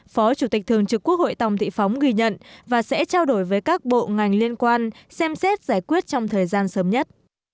phó chủ tịch thường trực quốc hội tòng thị phóng gợi ý địa phương cần tiếp tục giả soát và bổ sung quy hoạch tổng thể phát triển kinh tế xã hội cho phù hợp